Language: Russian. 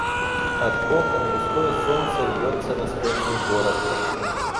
От окон густое солнце льется на спящий город.